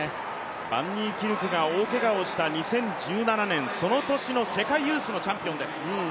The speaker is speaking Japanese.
バンニーキルクが大けがをした２０１７年、その年の世界ユースのチャンピオンです。